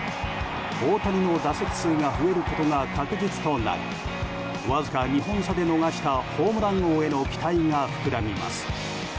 大谷の打席数が増えることが確実となりわずか２本差で逃したホームラン王への期待が膨らみます。